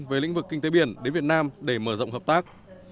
về lĩnh vực kinh tế biển đến việt nam để mở rộng hợp tác